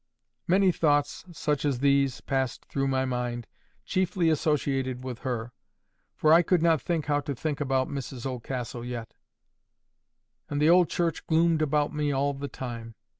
Many thoughts such as these passed through my mind, chiefly associated with her. For I could not think how to think about Mrs Oldcastle yet. And the old church gloomed about me all the time.